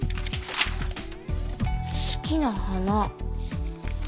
好きな花。